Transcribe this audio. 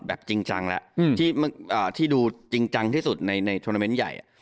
แบบจริงจังแล้วอืมที่อ่าที่ดูจริงจังที่สุดในในทวรรณเมนต์ใหญ่อ่ะ